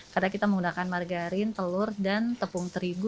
karena kita menggunakan margarin telur dan tepung terigu